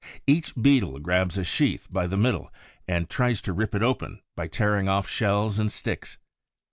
Each Beetle grabs a sheath by the middle and tries to rip it open by tearing off shells and sticks.